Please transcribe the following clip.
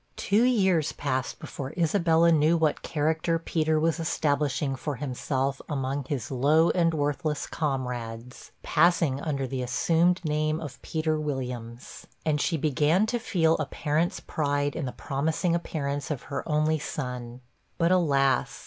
Two years passed before Isabella knew what character Peter was establishing for himself among his low and worthless comrades passing under the assumed name of Peter Williams; and she began to feel a parent's pride in the promising appearance of her only son. But, alas!